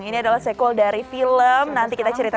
tentang film yang satu ini